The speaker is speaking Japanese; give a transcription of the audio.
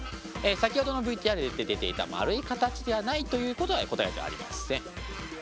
先ほどのＶＴＲで出ていた丸い形ではないということは答えではありません。